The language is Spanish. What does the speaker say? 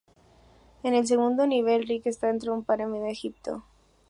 En el segundo nivel, Rick está dentro de una pirámide en Egipto.